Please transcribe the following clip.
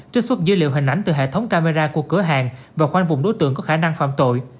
trích xuất dữ liệu hình ảnh từ hệ thống camera của cửa hàng và khoanh vùng đối tượng có khả năng phạm tội